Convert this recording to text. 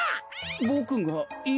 ボクがいま？